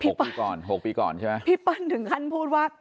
ปีก่อนหกปีก่อนใช่ไหมพี่เปิ้ลถึงขั้นพูดว่า